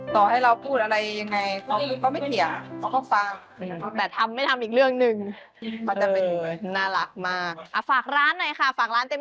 เขาความรู้สึกบอกอะไรเขาไม่ได้